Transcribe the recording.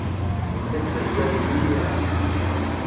La ttazzalen imir-a.